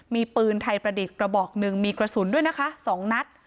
มีปืนไทยประดิษฐ์กระบอกหนึ่งมีกระสุนด้วยนะคะ๒นัด